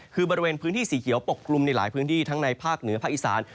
คือบริเวณพื้นที่สีเขียวปกกลุ่มในหลายพื้นที่ทั้งในภาคเหนือภาคอีสาน